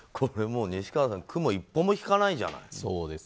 西川さん区も一歩も引かないじゃない。